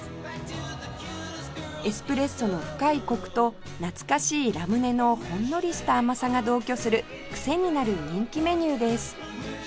エスプレッソの深いコクと懐かしいラムネのほんのりした甘さが同居するクセになる人気メニューです